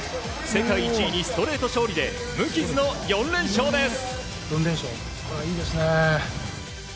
世界１位にストレート勝利で無傷の４連勝です。